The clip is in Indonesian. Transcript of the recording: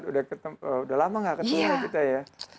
sudah lama tidak ketemu kita ya